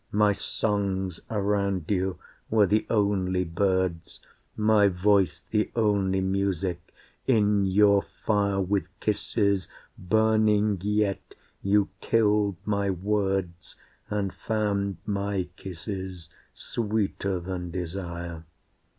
My songs around you were the only birds, My voice the only music, in your fire With kisses, burning yet, you killed my words And found my kisses sweeter than desire.